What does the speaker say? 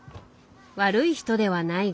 悪い人ではないが。